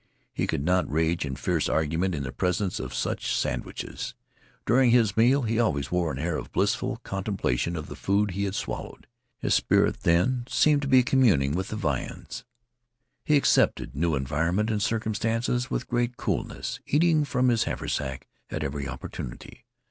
He could not rage in fierce argument in the presence of such sandwiches. During his meals he always wore an air of blissful contemplation of the food he had swallowed. His spirit seemed then to be communing with the viands. He accepted new environment and circumstance with great coolness, eating from his haversack at every opportunity.